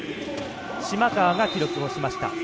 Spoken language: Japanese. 島川が記録をしました。